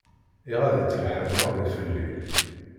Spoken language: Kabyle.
Iɣaḍ-itt lḥal maḍi fell-i.